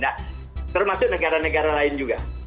nah termasuk negara negara lain juga